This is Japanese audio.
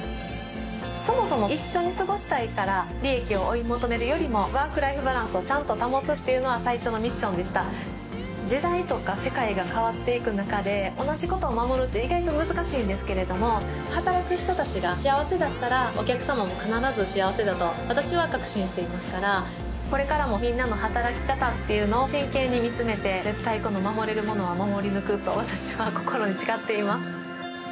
そもそも一緒に過ごしたいから利益を追い求めるよりもワークライフバランスをちゃんと保つっていうのは最初のミッションでした時代とか世界が変わっていく中で同じことを守るって意外と難しいんですけれども働く人達が幸せだったらお客様も必ず幸せだと私は確信していますからこれからもみんなの働き方っていうのを真剣に見つめて絶対この守れるものは守り抜くと私は心に誓っています